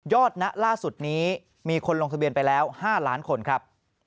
ณล่าสุดนี้มีคนลงทะเบียนไปแล้ว๕ล้านคนครับ